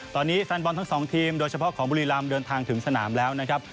ตอนนี้แฟนบอลทั้งสองทีมโดยเฉพาะของบุรีรำเดินทางถึงสนามแล้วนะครับ